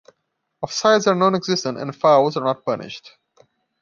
Offsides are non-existent and fouls are not punished.